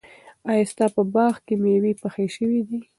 ایا ستا په باغ کې مېوې پخې شوي دي؟